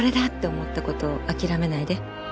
思ったことを諦めないで